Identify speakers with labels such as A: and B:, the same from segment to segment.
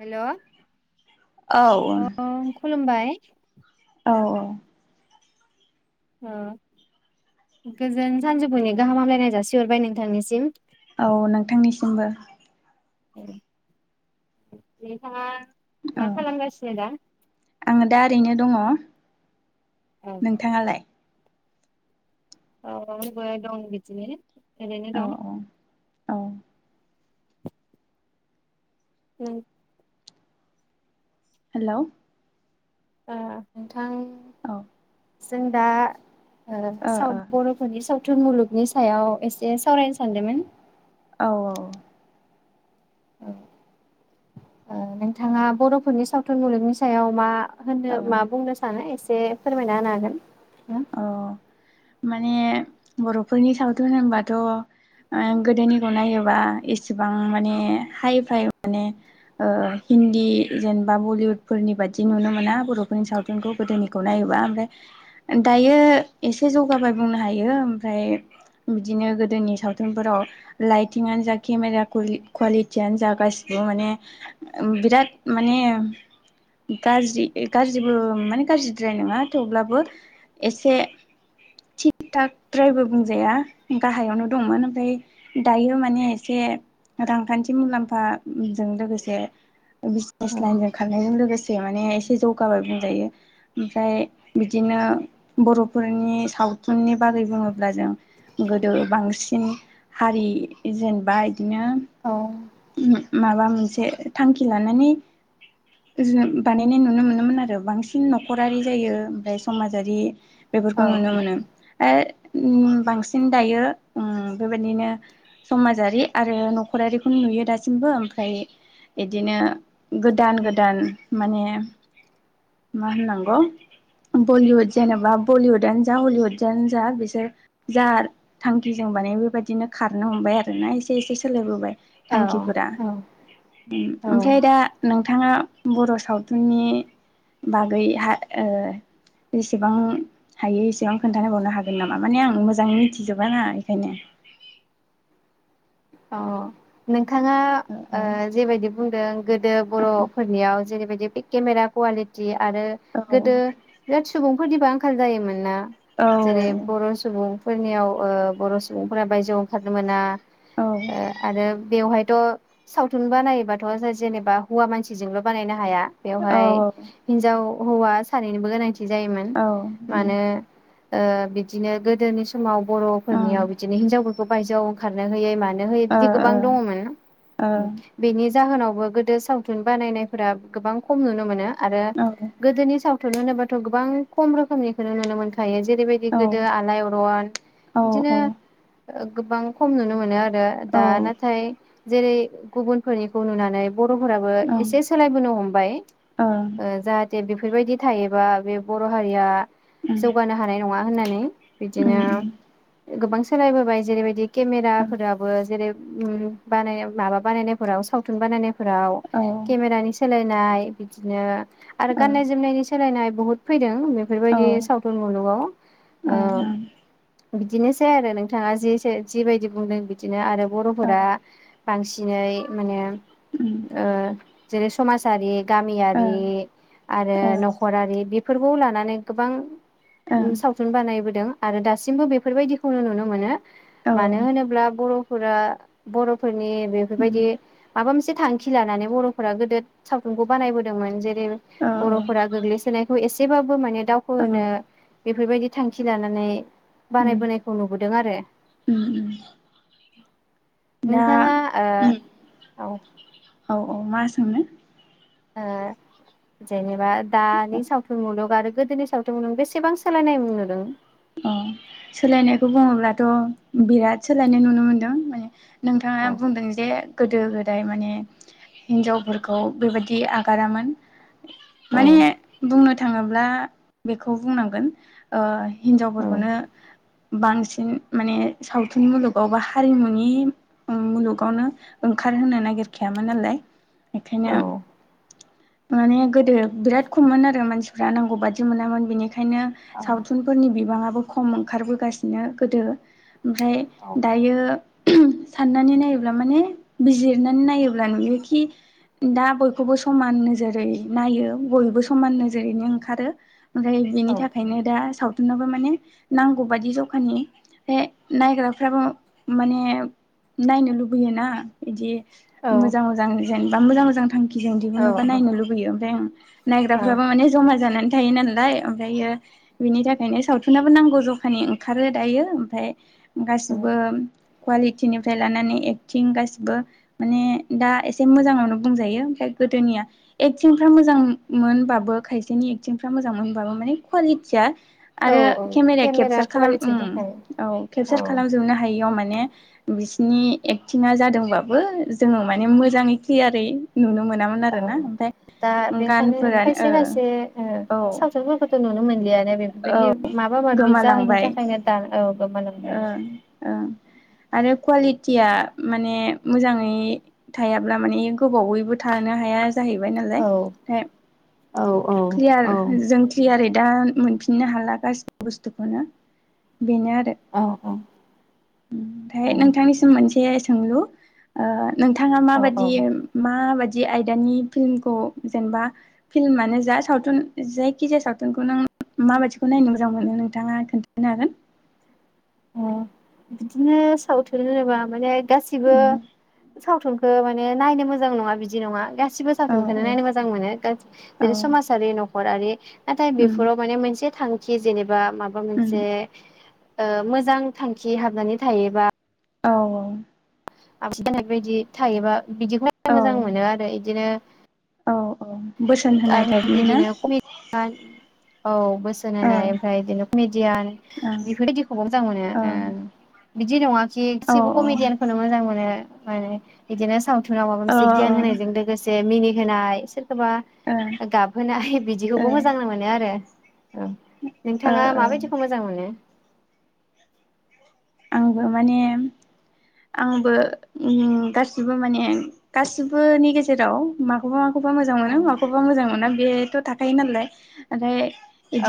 A: हेल'
B: औ ओन।
A: खलुमबाय। ओ गोजोन सानजौफुनि गाहाम हामलायनाय जासिहरबाय नोंथांनिसिम।
B: औ नोंथांनिसिमबो।
A: नोंथाङा मा
B: औ
A: खालामगासिनो दा
B: आङो दा ओरैनो। दङ।
A: औ
B: नोंथाङालाय।
A: औ औ आंबो दं बिदिनो एरैनो
B: औ
A: दं।
B: औ औ
A: उम।
B: हेलौ।
A: [inaudible]
B: औ।
A: जों दा। ओ सावथ बर'फोरनि सावथ थुन मुलुगनि सायाव एसे सावरायनो सानदोंमोन
B: औ औ।
A: औ ओ नोंथाङा बरफोरनि सावथुन मुलुगनि सायाव मा होनो
B: औ
A: मा बुंनो सानो एसे ए फोरमायना होनो हागोन। ना?
B: औ। माने बर'फोरनि सावथुन होनबाथ ओ गोदोनिखौ नायोबा एसेबां माने हाइ फाइ माने ओ हिन्दी जेनेबा बलिउदफोरनि बादि नुनो मोना बर'फोरनि सावथुनखौ गोदोनिखौ नायोबा ओमफ्राय दायो एसे जौगाबाय बुंनो हायो ओमफ्राय बिदिनो गोदोनि सावथुनफोराव लाइटिंआनो जा केमेरा कुलि कुवालिटियानो जा गासिबो माने बिराद माने गाज्रि गाज्रिबो माने गाज्रिद्राय नङा थेवब्लाबो एसे थिग थागद्रायबो बुंजाया गाहायावनो दंमोन ओमफ्राय दायो माने एसे रांखान्थि मुलाम्फ जों लोगोसे बिजनेस लाइनजों खारनायजों लोगोसे माने एसे जौगाबाय बुंजायो ओमफ्राय बिदिनो बरफोरनि सावथुननि बागै बुङोब्ला जों गोदो बांसिन हारि जेनेबा बिनो ओम माबा मोनसे थांखि लानानै जु बानायनाय नुनो मोनोमोन आरो बांसिन नखरारि जायो ओमफ्राय समाजारि बेफोरखौ
A: औ
B: नुनो मोनो आ ओम बांसिन दायो उम बेबायदिनो समाजारि आरो नखरारिखौनो नुयो दासिमबो ओमफ्राय इदिनो गोदान गोदान माने मा होननांगौ बलिउद जेनेबा बलिउदानो जा हलिउदानो जा बिसोर जा थांखिजों बानाय बेबायदिनो खारनो हमबाय आरोना एसे एसे सोलायबोबाय
A: औ
B: थांखिफोरा
A: औ औ
B: ओमफ्राय दा नोंथाङा बर' सावथुननि बागै हा ओ जेसेबां हायो एसेबां खोन्थानोबावनो हागोन नामा माने आं मोजाङै मिथिजोबाना बेखायनो।
A: अ नों थाङा
B: औ
A: ओ जेबायदि बुंदों गोदो बर'फोरनियाव जेरैबाय दि बे केमेरा कुवालिटिया आरो
B: औ
A: गोदो बिराद सुबुं फोरनिबो आंखाल जायोमोन ना
B: औ
A: जेरै बर' सुबुं फोरनियाव ओ बर' सुबुंफोरा बायजोआव ओंखारनो मोना।
B: औ
A: आ आरो बेवहाय थ' सावथुन बानायोबाथ' जा जेनेबा हौवा मानसिजोंल' बानायनो हाया बेवहाय हिन्जाव हौवा सानैनोबो गोनांथि जायोमोन
B: औ
A: मानो ओ बिदिनो गोदोनि समाव बर'फोरनियाव बिदिनो हिनजाव खौ बायजोआव ओंखारनो होयै मानो होयि बिदि गोबां दंङमोन बेनि जाहोनावबो गोदो सावथुन बानायनायफोरा गोबां खम नुनो मोनो। आरो गोदोनि साव थुन होनोबाथ' गोबां खम रोखोमनिखौनो नुनो मोन खायो जेरैबायदि
B: औ ओं
A: गोदो आलाइअरन
B: ओ
A: बिदिनो
B: ओ
A: गोबां खम नुनो मोनो आरो
B: औ ओं
A: दा नाथाय जेरै गुबुन फोरनिखौ नुनानै बर'फोराबो एसे सोलायबोनो हमबाय ओ
B: उम
A: जाहाथे बेबायदि थायोबा बे बर' हारिया जौगानो हानाय नङा होननानै
B: उम
A: बिदिनो
B: उम
A: गोबांस सोलायबोबाय जेरैबायदिग
B: औ
A: केमेेराफोराब उ बानाय [unintelligible] माबा बानायनायफोराव सावथुन बानायनाय फ्राव
B: ओ
A: केमेरानि सोलाय नाय बिदिनो आरो
B: औ
A: गान्नाय जोमनायनि सोलायनाय बुहुद फैदों
B: ओ
A: बेफोरबायदि सावथुन मुलुगाव ओ
B: ओं
A: बिदिनोसै आरो नोंथाङा जिसे जिबायदि बुंदों। बिदिनो आरोब
B: औ
A: बर'फोरा बांसि दिनै माने
B: उम
A: ओ जेरैस समाजारि
B: ओ
A: गामियारि आरो
B: ओ
A: न'खरारि बिब फोरबौ लानानै गोबां
B: ओं
A: सावथुन बानायबोदों आरो दासिमबो बेफोरबायदिखौनो नुनो मोनो
B: औ
A: मानो होनोब्ला बर'फोरा बर'फोर ने
B: उम
A: बेफोरबायदि माबा मोस [unintelligible] थांखि लानानै बर'फोरा गोदो सावथुनखौ बानायबोदोंमोन जे
B: औ
A: [unintelligible]
B: औ
A: बर'फोरा गोग्लैसोनायखौ एस जेबाबो माने
B: औ
A: दावखोहोनो बेफोरबायदि थांखि लानानै
B: उम
A: बानायबोनायखौ नुबोदों आरो
B: उम उम दा
A: नोंथाङा
B: उम
A: ओ औ
B: औ औ मा सोंनो
A: ओ जेनेबा दानि सावथुन मुलुग आरो गोदोनि सावथुनदों बेसेबां सोलायनाय नुदों
B: अ सोलायनायखौ बुङोब्लाथ' बिराद सोलायनाय नुनो मोनदों माने नोंथाङा
A: औ
B: बुंदों जे गोदो गोदाय माने हिनजावफोरखौ बेबायाददि आगारामोन
A: औ
B: माने बुंनो थाङोब्ला बेखौ बुंनांगोन ओ
A: औ
B: हिनजावफोरखौनो बांसिन माने सावथुन मुलुगाव बा हारिमुनि मुलुगावनो ओंखारहोनो नागिरखायामोन नालाय बेखायनो
A: औ
B: माने गोदो बिराद खममोन आरो मानसिफ्रा नांगौ बादि मोनामोन बेनिखायनो
A: औ
B: सावथुनफोरनि बिबाङाबो खम ओंखारबोगासिनो गोदो ओमफ्राय
A: औ
B: दायो साननानै नायोब्ला माने बिजिरनानै नायोब्ला नुयोखि दा बयखौबो समान नोजोरै नायो बयबो समान नोजोरैनो ओंखारो ओमफ्राय बिनि
A: औ
B: थाखायनो दा साव थुनाबो माने नांगौ बायदि जखानि बे नायग्राफ्राबो माने नायनो लुबैयोना बिदि
A: औ
B: मोजां मोजां जेनबा मोजां मोजां थांखि जों
A: औ
B: दिहुनोबा नायनो लुबैयो ओमफ्राय
A: औ
B: नायग्राफ्राबो मान जमा जानानै थायो नालाय ओमफ्रायो बिनि था खायनो सावथुनाबो नांगौ जखानि ओंखारो दायो ओमफफ्राय गासिबो कुवालिटिनिफ्राय लानानै एक्टिं गासिबो माने दा एसे मोजाङावनो बुंजायो ओमफ्राय गोदोनिया एक्टिंफ्रा मोजां मोनबाबो खायसेनि एक्टिंफ्रा मोजां मोनबाबो माने क्वालिटिया
A: औ
B: आरो
A: औ
B: केमेराया
A: केमेरा
B: केपचार खालाम
A: कुवालिटिनि
B: ओम
A: थाखाय
B: औ
A: औ
B: केपचार खालामजोबनो हायियाव माने बिसिनि एक्टिं जादोंबाबो जोङो माने मोजाङै क्लियारै नुनो मोनामोन
A: औ
B: आरोना ओमफ्राय
A: दा बेखायनो
B: गानफोरानो
A: खायसे खायसे ओ सावथुनफोरखौथ' नुनो मोनो लिया बेफोरबायदि माबा मि जाहैनि
B: गोमालांबाय
A: थाखायनो दा औ गोमा लांबाय।
B: ओं ओं आरो कुवालिटिया माने मोजाङै थायाब्ला माने गोबावैबो थानो हाया जाहैबाय
A: औ
B: नालाय
A: औ औ
B: क्लियार
A: औ
B: जों क्लियार दा मोनफिननो हाला गासिबो बुस्थुखौनो बेनो आरो
A: औ
B: ओमफ्राय नोंथांनिसिम मोनसे सोंलु नोंथाङा
A: औ औ
B: माबादि माबादि आयदानि फिल्मखौ जेनेबा फिल्मानो जा सावथुन जायखिजाया सावथुनखौ नों माबायदिखौ नायनो मोजां मोनो नोंथाङा खोन्थानो हागोन।
A: बिदिनो सावथुन होनोबा माने गासिबो सावथुनखौ माने नायनो मोजां नङा बिदि नङा गासिबो
B: औ
A: सावथुनखौनो नायनो मोजां मोनो
B: औ
A: जेरै समाजारि न' खरारि नाथाय
B: औ
A: बेफोराव माने मोनसे थां कि जेने बा माबा मोनसे ओ [unintelligible] मोजां थांखि हाबनानै थायोबा
B: औ औ
A: [unintelligible] थायोबा बिदिखौ मोजां
B: औ
A: मोनो आरो बिदिनो
B: औ औ बोसोन होनाय
A: आरो
B: टाइपनि ना
A: बिदिनो कमेडि औ बोसोन होनाय ओमफ्राय बिदिनो कमेडियान
B: ओ
A: बेफोरबायदिखौबो मोजां मोनो ओ बिदि नङा खि
B: ओ
A: गासिबो कमिडियानखौनो मोजां मोनो। माने बिदिनो सावथुन फोराव माबा
B: ओ
A: मोनसे
B: औ
A: गियान होनायजों लोगोसे मिनि होनाय सोरबा
B: औ ओ
A: गाबहोनाय
B: ओ
A: बिदिखौबो मोजां मोनो आरो ओम
B: ओ
A: नोंथाङा
B: ओ
A: माबायदिखौ मोजां मोनो?
B: आंबो माने आंबो गासिबो माने गासिबोनि गेजेराव माखौबा माखौबा मोजां
A: औ
B: मोनो माखौबा मोजां मोना बे थाखायो नालाय ओमफ्राय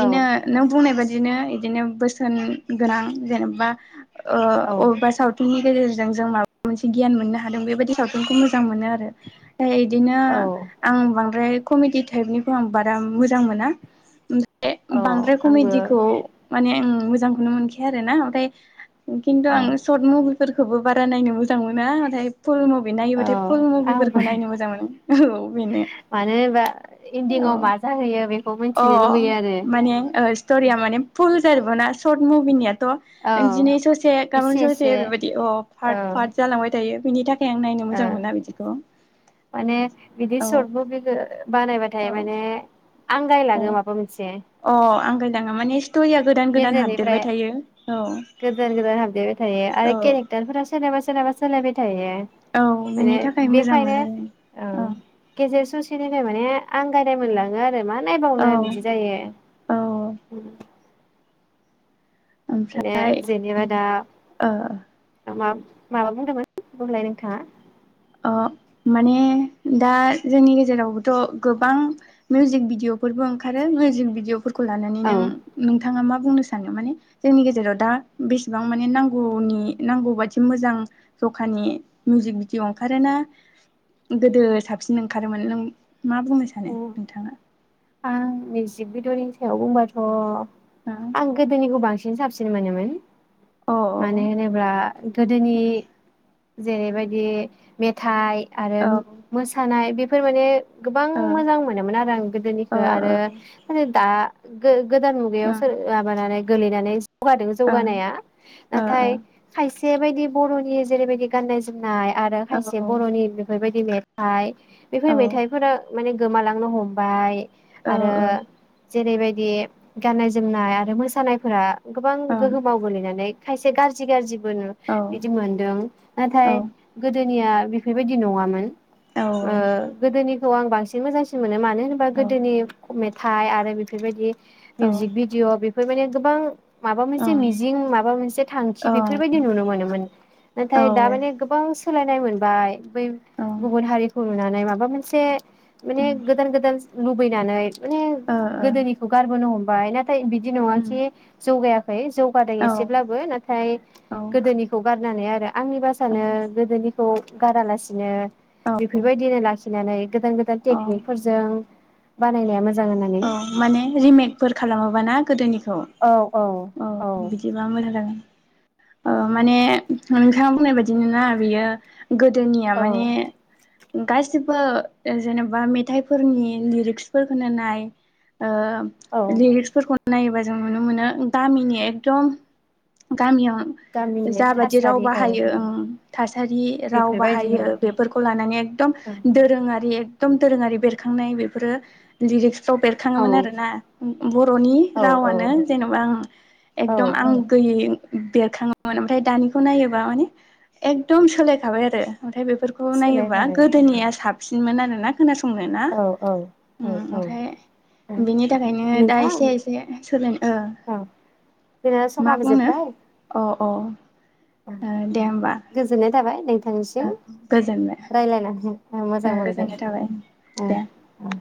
A: औ
B: नों बुंनाय बादिनो बिदिनो बोसोन गोनां जेनेबा ओ
A: औ
B: अबेबा सावथुननि गेजेरजों जों माबा मोनसे गियान मोननो हादों बेबायदि सावथुनखौ मोजां मोजां मोनो आरो ओमफाय बिदिनो
A: औ
B: आं बांद्राय कमेडि टाइपनिखौ आं बारा मोजां मोना
A: औ
B: बांद्राय
A: आंबो
B: कमेडिखौ माने आं मोजांखौनो मोनखाया आरो ना ओमफ्राय खिनथु
A: औ
B: आङो सर्ट मुभि [unintelligible] फोरखौबो बारा नायनो मोजां मोना नाथाय फुल मुभि
A: औ
B: नायोबाथाय फुल मुभिफोरखौ
A: आंबो
B: नायनो मोजां मोनो औ बेनो
A: मानो होनबा
B: अ
A: इन्दिङाव मा जाहैयो बेखौ
B: अ
A: मिथिनो लुबैयो आरो
B: माने स्टरिया माने पुल [unintelligible] ना सर्ट मुभिनिया
A: औ
B: [unintelligible] [unintelligible] ससे गाबोन
A: एसे
B: ससे
A: एसे
B: बेबायदि अ पार्ट
A: औ
B: पार्ट जालांबाय थायो। बिनि थाखाय आं नायनो
A: ओ
B: मोजां मोना बिदिखौ
A: माने बिदि
B: औ
A: सर्ट मुभिखौ बानायबाथाय माने
B: उम
A: आंगायलाङो माबा मोनसे
B: अ आंगायलाङो माने स्ट'रिया गोदान गोदान हाबदेरबाय
A: गेजेरनिफ्राय
B: थायो औ
A: गोदान गोदान हाबदेरबाय थायो
B: औ
A: आरो केरेक्टारफोरा सोरनाबा सोरनाबा सोलायबाय थायो।
B: औ
A: माने
B: बेनि थाखाय
A: बेखायनो
B: मोजांमोना आरो औ।
A: [unintelligible] माने आंगायनाय मोनलाङो आरोना मा
B: औ
A: नायबावनो बिदि जायो।
B: औ औ
A: माने
B: ओमफ्राय
A: जेनेबा दा
B: ओ
A: माबा माबा बुंदोंमोन बुंलाय नोंथाङा
B: ओ माने दा जोंनि गेजेरावबोथ' गोबां मिउजिक भिडिअफोरबो ओंखारो मिउजिक भिडिअफोर खौ लानानै नों
A: औ
B: नोंथाङा मा बुंनो सानो माने जोंनि गेजेराव दा बेसेबां माने नांगौनि नांगौ बादि मोजां जखानि मिउजिक भिडिअ ओंखारोना गोदो साबसिन ओंखारोमोन नों मा बुंनो सानो नोंथाङा?
A: आं मिउजिक भिडिअ'नि सायाव बुंबाथ' आं गोदोनिखौ बांसिन साबसिन मोनोमोन।
B: औ
A: मानो होनोब्ला गोदोनि जेरैबायदि मेथाइ आरो
B: औ
A: मोसानाय बे [unintelligible] गोबां
B: ओ
A: मोजां मोनोमोन आरो आं गोदोनि
B: ओ
A: आरो [unintelligible] [unintelligible] गोदान मुगायाव सोर लाबोनानै गोलैनानै जौगादों
B: ओं
A: जौगानाया
B: ओ
A: नाथाय
B: ओ
A: खायसे बेबायदि बर'नि जेरैबायदि गाननाय जोमनाय आरो
B: औ
A: खायसे बर'नि बेफोरबायदि मे थाइ बेफोर मेथाइफोरा माने गोमालांनो हमबाय
B: औ
A: आरो
B: औ
A: जेरैबाय दि गाननाय जोमनाय
B: औ
A: आरो मोसानाय फोरा गोबां
B: ओं
A: गोहोमाव गोलैनानै खायसे गारजि गारजि बो
B: औ
A: बिदि मोनदों नाथाय
B: औ
A: गोदोनिया बेफोरबायदि नङामोन
B: औ
A: ओ गोदोनि खौ आं बांसिन मोजांसिन मोनो मानो होनो
B: औ
A: दोनि मेथ थाइ आरो बेफोर बायदि
B: औ
A: मिउजिक भिडिअ बेफ फोर माने गोबां माबा
B: ओं
A: मोनसे मिजिं माबा मोनसे थांखि बेफोर
B: औ
A: बायदि नुनो मोनोमोन नाथाय दा
B: औ
A: माने गोबां सोलायनाय मोनबाय बै
B: ओं ओ
A: गुबुन हारिखौ नुनानै मा बा मोनसे माने
B: उम
A: गोदान गोदान लुबैनानै माने
B: औ औ
A: गोदोनिखौ गारबोनो हमबाय नाथ थाय बिदि नङा खि जौगायाखै जौगादों एसेब्लाबो नाथाय गोदोनिखौ गार नानै आरो आंनिबा सानो
B: ओं
A: गोदोनिखौ गारालासिनो
B: औ
A: बेफोर बायदिनो लाखि नानै गोदान गोदान
B: औ
A: टेकनिकफोरजों बानाय नाया मोज
B: औ माने रिमेकफोर खालामोबाना गोदोनिखौ
A: औ औ औ
B: बिदिबा मोजां जागोन ओ माने नोंथाङा बुंनाय बादिनो ना बियो गोदोनिया
A: औ
B: माने गासिबो जेनेबा मेथाइफोरनि लिरिक्सफोरखौनो नाय ओ
A: औ
B: लिरिस्कफोरखौ नायोबा जों नुनो मोनो गामिनि एकदम गामियाव
A: गामिनि
B: जाबादि राव
A: थासारि औ
B: बाहायो ओं थासारि राव
A: बेफोरबायदिनो
B: बाहायो बेफोरखौ लानानै एकदम दोरोङारि एकदम दोरोङारि बेरखांनाय बेफोरो लिरिक्स जाव
A: औ
B: बेरखाङोमोन आरोना बर'नि
A: औ औ
B: रावानो जेनेबा आं
A: औ
B: एकदम आं गोयै बेरखाङोमोन ओमफ्राय दानिखौ नायोबा माने एकदम सोलायखाबाय आरो ओमथाय बेफोरखौ नायोबा
A: सोलायखाबाय
B: गोदोनिया साब सिनमोन आरोना खोनासंनो ना
A: औ औ औ
B: उम
A: औ
B: ओमफ्राय बेनि थाखायनो दा
A: नोंथां
B: एसे एसे सोलायनो ओ
A: औ जोंना
B: मा
A: समाबो
B: बुंनो अ अ
A: उम
B: ओ दे होमबा
A: गोजोननाय थाबाय थांनि सिम
B: ओ गोजोनबाय
A: रायज्लायनानै मोजां
B: ओ
A: मोनबाय
B: गोजोननाय थाबाय दे।
A: ओं